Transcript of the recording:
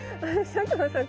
佐久間さん